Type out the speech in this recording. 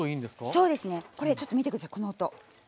そうですねこれちょっと見て下さいこの音。